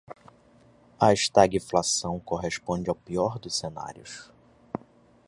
A estagflação corresponde ao pior dos cenários